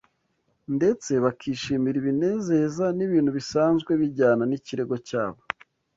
ndetse bakishimira ibinezeza n’ibintu bisanzwe bijyana n’ikigero cyabo.